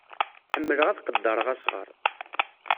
Ḥemmleɣ ad qeddreɣ asɣar.